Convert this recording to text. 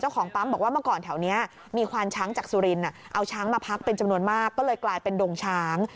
ของปั๊มบอกว่าเมื่อก่อนแถวนี้มีควานช้างจากสุรินทร์เอาช้างมาพักเป็นจำนวนมากก็เลยกลายเป็นดงช้าง